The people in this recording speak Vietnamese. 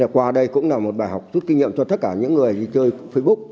qua đây cũng là một bài học rút kinh nghiệm cho tất cả những người đi chơi facebook